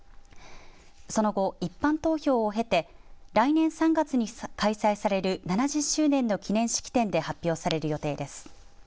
その後、一般投票を経て来年３月に開催される７０周年の記念式典で発表される予定です。